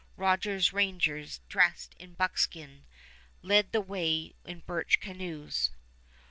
Rogers' Rangers, dressed in buckskin, led the way in birch canoes.